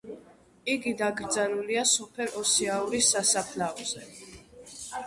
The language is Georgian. იგი დაკრძალულია სოფელ ოსიაურის სასაფლაოზე.